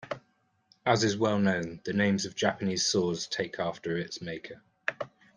As is well-known, the names of Japanese swords take after its maker.